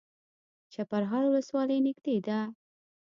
چپرهار ولسوالۍ نږدې ده؟